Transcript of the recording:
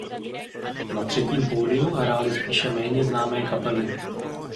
Na třetím pódiu hrály spíše méně známé kapely.